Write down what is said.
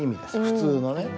普通のね。